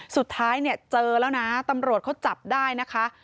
สุดท้ายเนี่ยเจอแล้วนะตำรวจเขาจับได้นะคะ